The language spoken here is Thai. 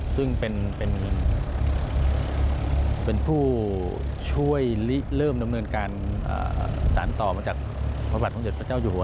ซึ่งเป็นผู้ช่วยเริ่มดำเนินการสารต่อมาจากพระบาทสมเด็จพระเจ้าอยู่หัว